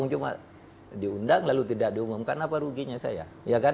cuma diundang lalu tidak diumumkan apa ruginya saya